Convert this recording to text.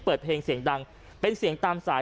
เปิดเพลงเสียงดังเป็นเสียงตามสาย